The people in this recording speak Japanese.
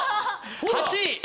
８位！